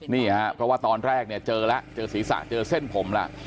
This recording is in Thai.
นี่ฮะเพราะว่าตอนแรกเนี่ยเจอแล้วเจอศีรษะเจอเส้นผมแล้ว